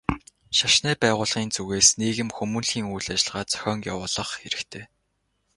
Шашны байгууллагын зүгээс нийгэм хүмүүнлэгийн үйл ажиллагаа зохион явуулах хэрэгтэй.